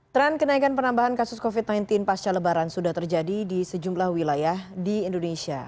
tren kenaikan penambahan kasus covid sembilan belas pasca lebaran sudah terjadi di sejumlah wilayah di indonesia